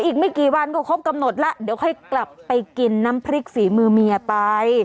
อีกไม่กี่วันก็ครบกำหนดแล้วเดี๋ยวค่อยกลับไปกินน้ำพริกฝีมือเมียไป